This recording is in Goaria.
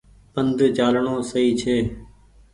پند چآلڻو سئي ڇي۔